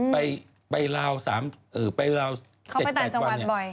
ไปลาว๗๘วันเนี่ยเข้าไปต่างจังหวัดบ่อย